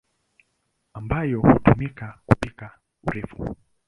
ambayo hutumika kupika urefu.